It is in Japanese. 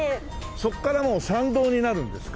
そこからもう参道になるんですか？